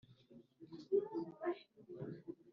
naje u buyenzi u bwanamukari